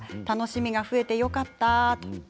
楽しみが増えてよかった。